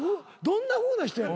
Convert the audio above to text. どんなふうな人や。